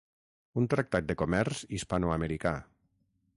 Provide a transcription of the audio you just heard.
Un tractat de comerç hispanoamericà.